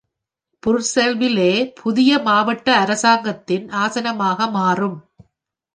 புர்செல்வில்லே புதிய மாவட்ட அரசாங்கத்தின் ஆசனமாக மாறும்.